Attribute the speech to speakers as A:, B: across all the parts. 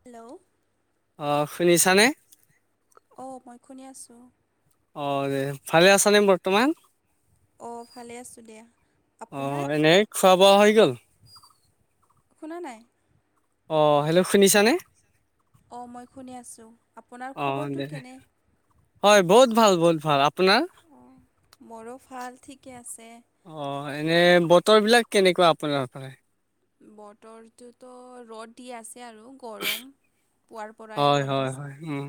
A: Hello.
B: অ', শুনিছানে?
A: অ', মই শুনি আছোঁ।
B: অ', এই ভালে আছানে বৰ্তমান?
A: অ', ভালে আছোঁ দিয়া। আপোনাৰ
B: অ', এনেই খোৱা বোৱা হৈ গ'ল?
A: শুনা নাই।
B: অ', হেল্ল' শুনিছানে?
A: অ', মই শুনি আছোঁ, আপোনাৰ
B: অ
A: খবৰটো
B: দে
A: কেনে?
B: হয়, বহুত ভাল বহুত ভাল। আপোনাৰ
A: অ', মোৰো ভাল, ঠিকেই আছে।
B: অ', এনেই বতৰবিলাক কেনেকুৱা আপোনাৰ ফালে?
A: বতৰটোতো ৰ'দ দি আছে আৰু গৰম। পুৱাৰ পৰাই
B: হয়,
A: ৰ'দ
B: হয়,
A: দিছে
B: হয়, উম।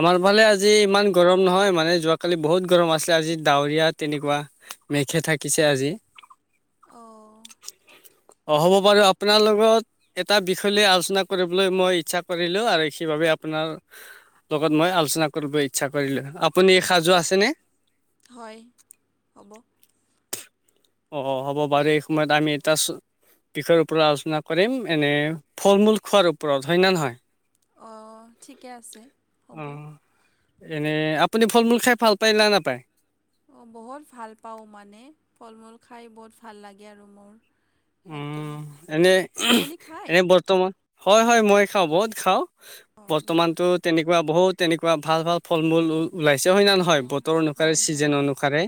B: আমাৰ ফালে আজি ইমান গৰম নহয়, মানে যোৱাকালি বহুত গৰম আছিলে, আজি ডাৱৰীয়া তেনেকুৱা। মেঘে থাকিছে আজি
A: অ'।
B: অ', হ'ব বাৰু, আপোনাৰ লগত এটা বিষয় লৈ আলোচনা কৰিবলৈ মই ইচ্ছা কৰিলোঁ আৰু সেইবাবে আপোনাৰ লগত মই আলোচনা কৰিব ইচ্ছা কৰিলো। আপুনি সাজু আছেনে?
A: হয় হ'ব
B: অ', হ'ব বাৰু এই সময়ত আমি এটা বিষয়ৰ ওপৰত আলোচনা কৰিম, এনে ফল মূল খোৱাৰ ওপৰত, হয় না নহয়?
A: অ', ঠিকেই আছে। হ'ব
B: অ', এনে আপুনি ফল মূল খাই ভাল পায় না নাপায়?
A: অ বহুত ভাল পাওঁ মানে ফল মূল খাই বহুত ভাল লাগে আৰু মোৰ। সেইটো
B: উম, এনেই,
A: আপুনি খায়
B: এনে বৰ্তমান, হয় হয়, মই খাওঁ, বহুত খাওঁ।
A: অঁ বহুত
B: বৰ্তমানতো তেনেকুৱা বহুত তেনেকুৱা ভাল ভাল ফল মূল ওলাইছে হয় নে নহয়?
A: অঁ
B: বতৰ অনুসাৰে
A: হয়
B: চিজন
A: হয়
B: অনুসাৰে।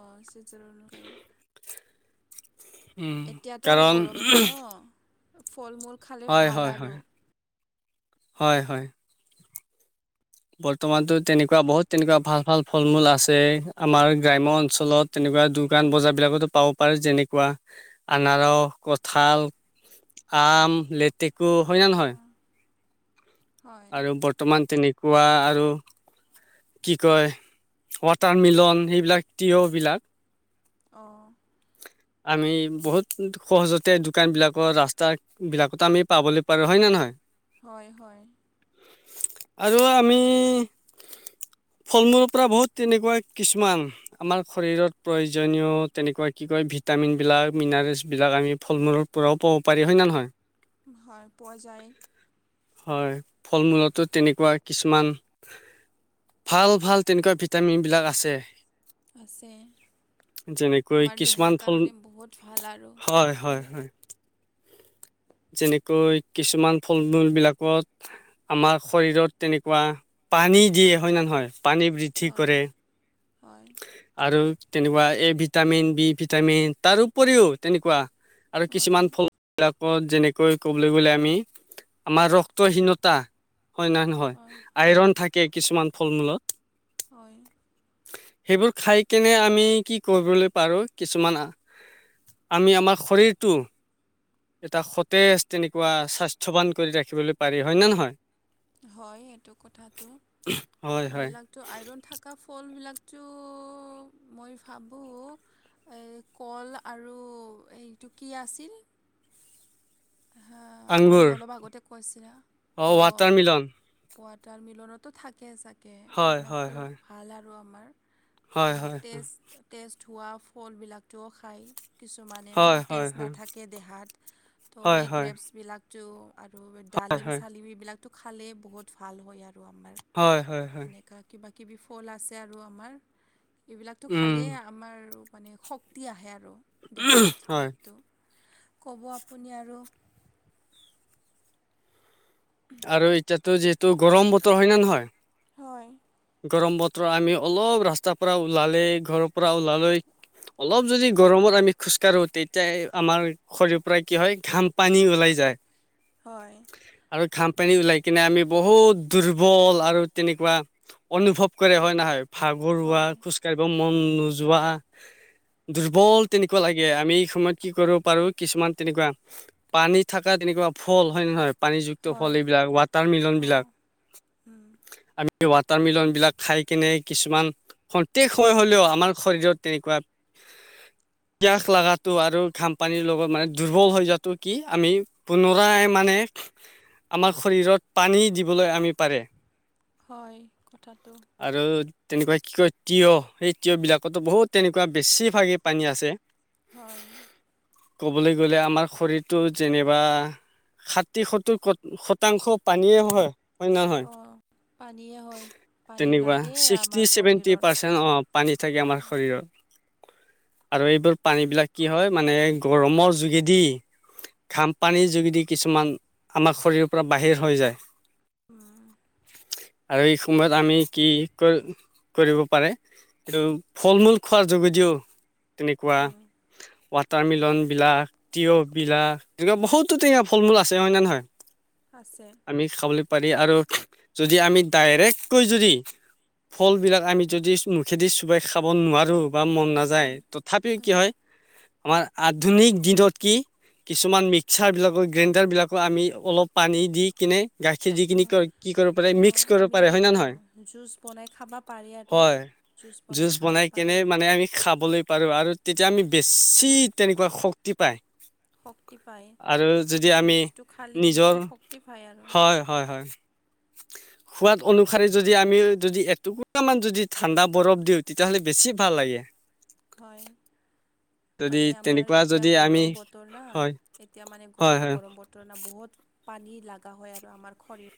A: অঁ চিজনৰ কাৰণে
B: [unintelligible] উম,
A: এতিয়াতো আৰু
B: কাৰণ
A: গৰম দিন ন ফল মূল খালে
B: হয়
A: ভাল
B: হয়
A: আৰু।
B: হয় হয় হয়। বৰ্তমানতো তেনেকুৱা বহুত তেনেকুৱা ভাল ভাল ফল মূল আছে, আমাৰ গ্ৰাম্য অঞ্চলত তেনেকুৱা দোকান বজাৰ বিলাকতো পাব পাৰি যেনেকুৱা, আনাৰস, কঁঠাল। আম, লেটেকু হয় না
A: অ,
B: নহয়?
A: হয়
B: আৰু বৰ্তমান তেনেকুৱা আৰু। কি কয় ৱাটাৰ মিলন সেইবিলাক টিয়বিলাক।
A: অ',।
B: আমি বহুত সহজতে দোকান বিলাকৰ ৰাস্তা বিলাকতো আমি পাবলৈ পাৰো হয় নে নহয়।
A: হয় হয়।
B: আৰু আমি ফল মূলৰ পৰা বহুত তেনেকুৱা কিছুমান আমাৰ শৰীৰত প্ৰয়োজনীয় তেনেকুৱা কি কয় ভিত ভিটামিনবিলাক মিনাৰেলছবিলাক আমি ফল মূলৰ পৰাও পাব পাৰি হয় নে নহয়।
A: হয় পোৱা যায়।
B: হয় ফল মূলতো তেনেকুৱা কিছুমান ভাল ভাল তেনেকুৱা ভিটামিন বিলাক আছে।
A: আছে।
B: যেনেকৈ
A: আমাৰ দেহাৰ
B: কিছুমান ফল
A: কাৰণে বহুত ভাল আৰু
B: হয় হয়।
A: খালে
B: যেনেকৈ কিছুমান ফল মূল বিলাক। আমাৰ শৰীৰত তেনেকুৱা পানী দিয়ে হয় ন নহয়। পানী বৃদ্ধি
A: হয়
B: কৰে
A: হয়
B: আৰু তেনেকুৱা এ ভিটামিন বি ভিটামিন তাৰ উপৰিও তেনেকুৱা। আৰু
A: হয়
B: কিছুমান ফল বিলাকত যেনেকৈ ক'বলৈ গ'লে আমি আমাৰ ৰক্ত হীনতা হয় না নহয়
A: হয় হয়
B: আইৰণ থাকে কিছুমান ফল মূলত।
A: হয়।
B: সেইবোৰ খাই কেনে আমি কি কৰিবলৈ পাৰো কিছুমান আমি আমাৰ শৰীৰটো এটা সতেজ তেনেকুৱা স্বাস্থ্যৱান কৰি ৰাখিবলৈ পাৰি হয় নে নহয়।
A: হয় এইটো কথাটো
B: হয় হয়
A: এইবিলাকতো আইৰণ থকা ফলবিলাক তো মই ভাবোঁ কল আৰু এইটো কি আছিল? হা আপুনি
B: আংগুৰ
A: অলপ আগতে কৈছিলে অ'।
B: ৱাটাৰ মিলন
A: ৱাটাৰ মিলনতো থাকে চাকে
B: হয় হয়
A: এইবিলাকতো
B: হয়
A: ভাল আৰু আমাৰ।
B: হয়
A: আৰু
B: হয়
A: তেজ তেটজ হোৱা ফলবিলাকও খায়। কিছুমানেনো
B: হয় হয়
A: টেষ্ট
B: হয়
A: নাথাকে দেহাত ত'
B: হয় হয়
A: এই
B: হয়
A: গ্ৰেপছবিলাকতটো আৰু ডালিম
B: হয়
A: চালিম এইবিলাকতো খালেই বহুত ভাল হয় আৰু।
B: হয় হয় হয়
A: এনেকুৱা কিবা কিবি ফল আছে আৰু আমাৰ। এইবিলাকতো
B: উম
A: খালেই আমাৰ মানে শক্তি আহে আৰু। দেহাত
B: হয়
A: সেইটো ক'ব আপুনি আৰু।
B: আৰু এতিয়াতো যিহেতু গৰম বতৰ হয় নে নহয়।
A: হয়।
B: গৰম বতৰ আমি অলপ ৰাস্তাৰ পৰা ওলালে ঘৰৰ পৰা ওলালৈ। অলপ যদি গৰমত আমি খোজকাঢ়ো তেতিয়া আমাৰ শৰীৰ পৰা কি হয় ঘাম পানী ওলাই যায়। যায়
A: হয়
B: আৰু ঘাম-পানী ওলাই কিনে, আমি বহুত দুৰ্বল আৰু তেনেকুৱা অনুভৱ কৰে হয় নহয় ভাগৰুৱা
A: হয়
B: খোজ কাঢ়িব মন নোযোৱা। দুৰ্বল তেনেকুৱা লাগে আমি এই সময়ত কি কৰিব পাৰো কিছুমান তেনেকুৱা পানী থকা তেনেক কিবা ফল হয় নহয় পানীযুক্ত ফল
A: হয়
B: এইবিলাক ৱাটাৰ মিলন বিলাক
A: অঁ
B: আমি ৱাটাৰ মিলনবিলাক খাই কেনে কিছুমান সন্তেক হৈ হ'লেও আমাৰ শৰীৰত তেনেকুৱা [unintelligible] পিয়াস লগাটো আৰু ঘামপানীৰ লগত মানে দুৰ্বল হৈ যোৱাটো কি আমি পুনৰাই মানে। আমাৰ শৰীৰত পানী দিবলৈ আমি পাৰে।
A: হয় কথাটো।
B: আৰু তেনেকুৱা কি কয় তিঁয়হ সেই তিঁয়হ বিলাকতো বহুত তেনেকুৱা বেছিভাগে পানী আছে।
A: হয়।
B: ক'বলৈ গ'লে আমাৰ শৰীৰটো যেনিবা ষাঠি-সত্তৰ শতাংশ পানীয়েই হয়, হয় নে নহয়?
A: অঁ পানীয়ে হয় পানী
B: তেনেকুৱা
A: লাগে আমাৰ
B: ছিক্সটি-ছেভেনটি
A: শৰীৰৰ
B: পাৰ্চেণ্ট পানী থাকে আমাৰ শৰীৰত। আৰু এইবোৰ পানীবিলাক কি হয়, মানে গৰমৰ যোগেদি ঘাম-পানীৰ যোগেদি কিছুমান আমাৰ শৰীৰৰ পৰা বাহিৰ হৈ যায়।
A: উম।
B: আৰু এই সময়ত আমি কি কৰিব পাৰে? এইটো ফল-মূল খোৱাৰ যোগেদিও তেনেকুৱা
A: উম,
B: সোৱাদ ৱাটাৰমেলন বিলাক, তিয়ঁহ বিলাক, তেনেকুৱা বহুতো তেনেকুৱা ফল-মূল আছে, হয় নে নহয়?
A: আছে
B: আমি খাবলৈ পাৰি। আৰু যদি আমি ডাইৰেক্টকৈ যদি ফলবিলাক আমি মুখেদি চোবাই খাব নোৱাৰোঁ বা মন নাযায়।
A: উম,
B: তথাপিও কি
A: উম,
B: হয়, আমাৰ আধুনিক দিনত কি কিছুমান মিক্সাৰ বিলাক বা গ্ৰাইণ্ডাৰ বিলাকো আমি অলপ পানী দি কিনে গাখীৰ দি সেইখিনি কি কৰিব লাগে? মিক্স কৰক
A: মি, অ', জুছ বনাই খাব পাৰি আৰু জুচ
B: জুছ
A: খাব
B: বনাই কেনে
A: পাৰোঁ
B: মানে, আমি খাবলৈ পাৰোঁ আৰু তেতিয়া আমি
A: অঁ
B: বেছি তেনেকুৱা শক্তি পাই
A: শক্তি পায়
B: আৰু যদি আমি
A: জুচটো খালে
B: নিজেৰ,
A: বেছি শক্তি পায় আৰু
B: হয়, হয়, হয়। [inaudible] সোৱাদ অনুসৰি যদি আমি, যদি এটুকুৰামান, যদি ঠাণ্ডা বৰফ দিওঁ, তেতিয়াহ'লে বেছি ভাল লাগে।
A: হয়।
B: যদি
A: মানে আমাৰ
B: তেনেকুৱা
A: এতিয়া
B: যদি আমি
A: গৰম বতৰ, না,
B: হয়
A: এতিয়া মানে
B: হয় হয়
A: গ-গৰম বতৰ না, বহুত পানী লাগা হয় আৰু আমাৰ শৰীৰ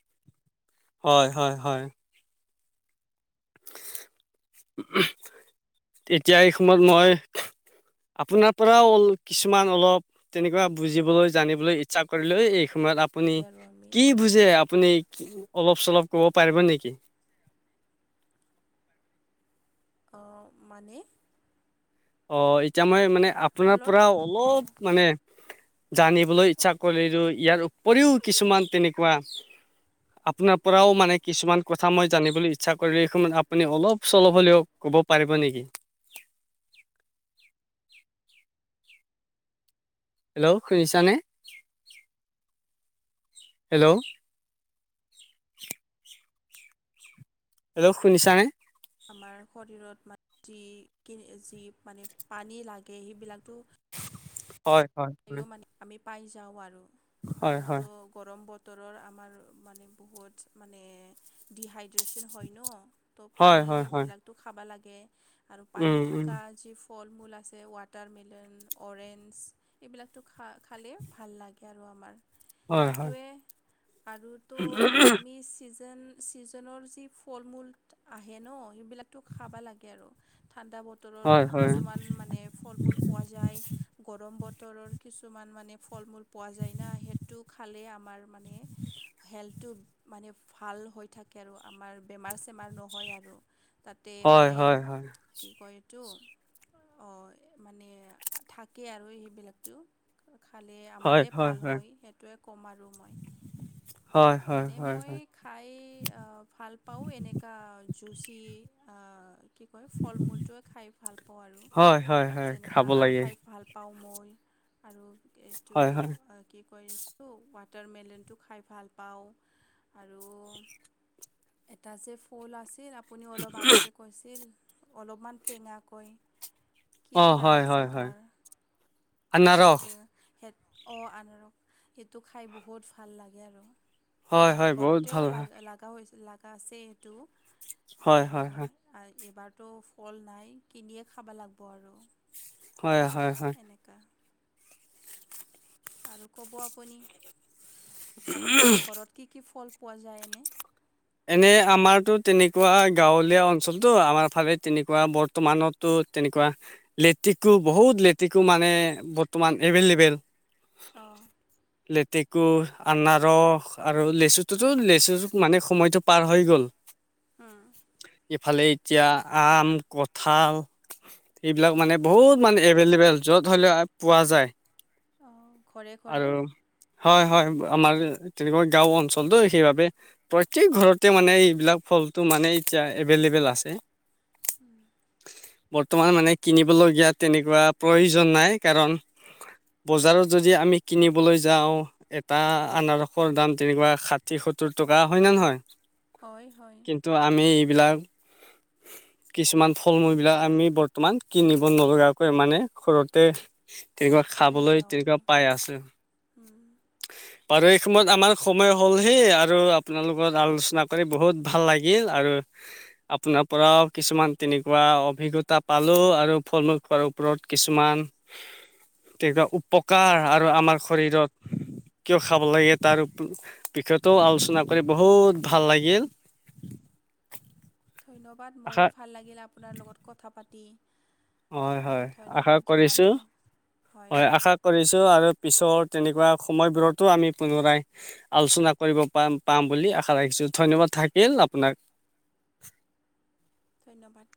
B: হয়, হয়, হয়। তেতিয়া, এই সময়ত মই আপোনাৰ পৰাও কিছুমান অলপ তেনেকুৱা বুজিবলৈ, জানিবলৈ ইচ্ছা কৰিলে দেই। সময়ত আপুনি
A: লাগে আৰু আমি
B: কি বুজে, আপুনি? অলপ-চলপ ক'ব পাৰিব নেকি?
A: অ', মানে
B: অ', এতিয়া মই মানে, আপোনাৰ
A: ফলৰ
B: পৰাও
A: অঁ
B: অলপ মানে জানিবলৈ ইচ্ছা কৰিলোঁ। ইয়াৰ উপৰিও কিছুমান তেনেকুৱা আপোনাৰ পৰাও মানে কিছুমান কথা মই জানিবলৈ ইচ্ছা কৰিলোঁ। এই সময়ত আপুনি অলপ-চলপ হ'লেও ক'ব পাৰিব নেকি? হেল্ল'! শুনিছানে? হেল্ল'! [inaudible] হেল্ল'! শুনিছানে?
A: আমাৰ শৰীৰত মা [unintelligible] যি পানী লাগে, সেইবিলাকতো
B: হয়, হয়।
A: পায়ো মানে আমি পাই যাওঁ আৰু।
B: হয়
A: আৰু
B: হয়
A: ত', গৰম বত তৰৰ আমাৰ মানে, বহুত মানে, ডিহাইড্ৰেচন হয় ন ত'
B: হয় হয় হয়
A: পানীবিলাকতো খাবা লাগে। আৰু
B: উম
A: পানী
B: উম
A: থাকা যি ফ্ৰু ফল-মূল আছে, ৱাটাৰমেলন, অৰেঞ্জ এইবিলাকতো খা-খালেই ভাল লাগে, আৰু আমাৰ
B: হয় হয়
A: সেইটোৱে আৰুতো আমি চিজ চিজনৰ যি ফল-মূল আহে ন, সেইবিলাকতো খাব লাগে আৰু ঠাণ্ডা বতৰৰ
B: হয় হয়
A: কিছুমান মানে, ফল-মূল পোৱা যায়, গৰম বত তৰৰ কিছুমান মানে ফল-মূল পোৱা যায় না, সেইটো খালে আমাৰ মানে, হেল্থ টো মানে ভাল হৈ থাকে, আৰু আমাৰ বেমাৰ-চেমাৰ নহয় আৰু তাতে
B: হয়,
A: মানে,
B: হয়, হয়।
A: কি কয়? টো অ' মানে থাকে আৰু সেইবিলাকটো। খালে আমাৰেই ভাল হয় সেইটোৱে ক'ম আৰু মই।
B: হয়, হয়,
A: এনে
B: হয়,
A: মই
B: হয়।
A: খাই ভাল পাওঁ এনেকা জুচি আহ। কি কয় ফল মূলটোৱে খাই ভাল পাওঁ আৰু
B: হয়, হয়, হয়।
A: যেনেকৈ
B: খাব
A: আম
B: লাগে।
A: খাই ভাল পাওঁ মই। আৰু এইটো
B: হয়, হয়।
A: কি কয় এইটো ৱাট ৱাটাৰমেলনটো খাই ভাল পাওঁ আৰু এটা যে ফুল আছিল। আপুনি অলপ আগতে কৈছিল অলপমান টেঙাকয় কি
B: অ', হয়,
A: নাম
B: হয়,
A: আছিল
B: হয়।
A: তাৰ?
B: আনাৰস।
A: সেইটো অঁ আনাৰস সেইটো খাই বহুত ভাল লাগে আৰু।
B: হয়,
A: আমাৰ
B: হয়, বহুত
A: ঘৰতেও
B: ভাল।
A: লগা-লগা লাগা আছে এইটো।
B: হয় হয় হয়।
A: [unintelligible] ফল নাই কিনিয়ে খাব লাগিব আৰু।
B: হয় হয় হয়।
A: এনেকা আৰু ক'ব আপুনি আপোনাৰ ঘৰত কি কি ফল পোৱা যায়, এনে?
B: এনে আমাৰতো তেনেকুৱা গাঁৱলীয়া অঞ্চলতটো আমাৰ ফালে তেনেকুৱা বৰ্তমানতো তেনেকুৱা লেতেকো বহুত লেতেকো মানে বৰ্তমান এভেইলেবল।
A: আহঁ।
B: লেতেকো আনাৰস আৰু লেচুটোতো লেচু মানে সময়তটো পাৰ হৈ গ'ল। ইফালে এতিয়া আম, কঁঠাল এইবিলাক মানে বহুত মানে এভেইলেবেল য'ত হলেও পোৱা যায়।
A: ঘৰে-ঘৰে।
B: আৰু হয় হয় আমাৰ তেনেকুৱা গাঁও অঞ্চলটো সেইবাবে প্ৰত্যেক ঘৰতে মানে এইবিলাক ফলটো মানে এতিয়া এভেইলেবল আছে। বৰ্তমান মানে কিনিবলগীয়া তেনেকুৱা প্ৰয়োজন নাই কাৰণ বজাৰত যদি আমি কিনিবলৈ যাওঁ এটা আনাৰসৰ দাম তেনেকুৱা ষাঠি সত্তৰ টকা। হয় নে নহয়?
A: হয় হয়
B: কিন্তু আমি এইবিলাক কিছুমান ফল-মূল বিলাক আমি বৰ্তমান কিনিব নলগাকৈ মানে ঘৰতে তেনেকুৱা
A: পাই
B: খাবলৈ
A: যাওঁ
B: তেনেকুৱা
A: আৰু
B: পাই আছে। বাৰু এই সময়ত আমাৰ সময় হ'লহি আৰু আপোনাৰ লগত আলোচনা কৰি বহুত ভাল লাগিল আৰু আপোনাৰ পৰাও কিছুমান তেনেকুৱা অভিজ্ঞতা পালোঁ আৰু ফল-মূল খোৱাৰ ওপৰত কিছুমান উপকাৰ আৰু আমাৰ শৰীৰত কিয় খাব লাগে তাৰ বিষয়টো আলোচনা কৰি বহুত ভাল লাগিল।
A: ধন্যবাদ
B: আশা
A: মোৰো ভাল লাগিল আপোনাৰ লগত কথা পাতি।
B: হয় হয়, আশা
A: ধন্যবাদ
B: কৰিছোঁ,
A: জনালোঁ
B: হয়, আশা কৰিছোঁ আৰু। পিছৰ তেনেকুৱা সময়বোৰতো আমি পুনৰাই আলোচনা কৰিব পাম বুলি আশা ৰাখিছোঁ। ধন্যবাদ থাকিল আপোনাক।
A: ধন্যবাদ।